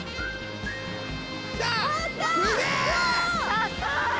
高い！